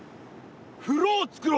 風呂をつくろう！